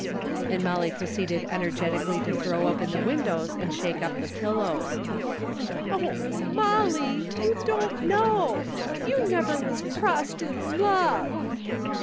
And Molly proceeded energetically to throw open the windows and shake up the pillows. Oh Molly I You don't know. You never was crossed in love